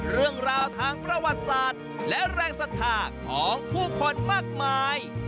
เรื่องราวทางประวัติศาสตร์และแรงศรัทธาของผู้คนมากมาย